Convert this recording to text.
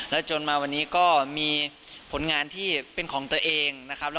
จนมาวันนี้ก็มีผลงานที่เป็นของตัวเองนะครับ